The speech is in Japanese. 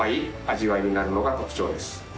味わいになるのが特徴です。